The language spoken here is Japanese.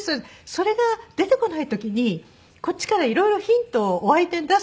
それが出てこない時にこっちからいろいろヒントをお相手に出すんです。